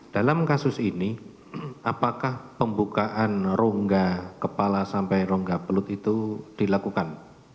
dalam kasus ini apakah pembukaan rongga kepala sampai rongga pelut itu dilakukan